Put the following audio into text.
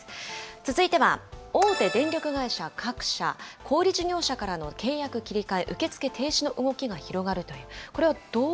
続いては、大手電力会社各社、小売り事業者からの契約切り替え受け付け停止の動きが広がると。